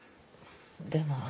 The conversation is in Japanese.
でも。